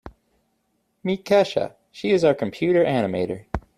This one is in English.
Meet Kesha, she is our computer animator.